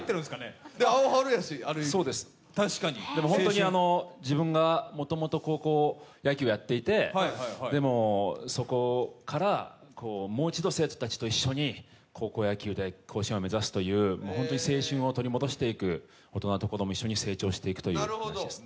でも本当に自分がもともと高校野球をやっていて、でも、そこからもう一度生徒たちと一緒に高校野球で甲子園を目指すという本当に青春を取り戻していく、大人と子供一緒にやり直していくという物語です。